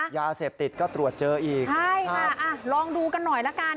ยาเสพติดก็ตรวจเจออีกใช่ค่ะอ่ะลองดูกันหน่อยละกัน